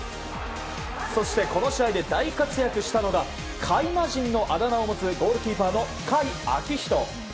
そしてこの試合で大活躍したのが甲斐魔人のあだ名を持つゴールキーパーの甲斐昭人。